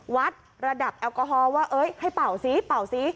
วัดระดับแอลกอฮอล์ว่าให้เป่าซิเป่าซิ